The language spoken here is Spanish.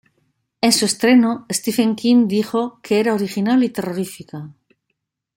En su estreno Stephen King dijo que era original y terrorífica.